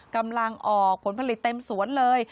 กำลังออกผลผลิตเต็มสวนเลย